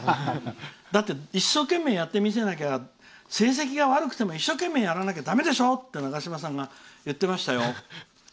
だって、一生懸命やってみせなきゃ成績が悪くても一生懸命やらなきゃだめでしょと長嶋さんが言ってましたよ。